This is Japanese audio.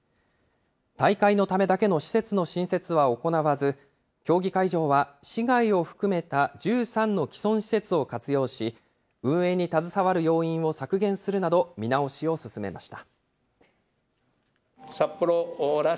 大会のためだけの施設の新設は行わず、競技会場は市外を含めた１３の既存施設を活用し、運営に携わる要員を削減するなど、見直しを進めました。